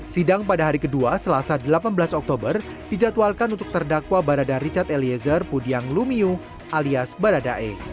sidang pada hari kedua selasa delapan belas oktober dijadwalkan untuk terdakwa barada richard eliezer pudiang lumiu alias baradae